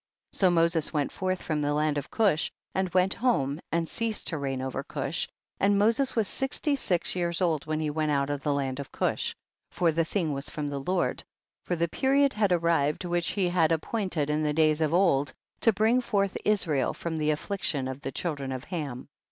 12. So Moses went forth from the land of Cush, and went home and ceased to reign over Cush, and Mo ses was sixty six years old when he went out of the land of Cush, for the thing was from the Lord, for the period had arrived which he had ap pointed in the days of old, to bring forth Israel from the affliction of the children of Ham.